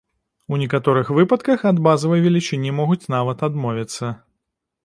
У некаторых выпадках ад базавай велічыні могуць нават адмовіцца.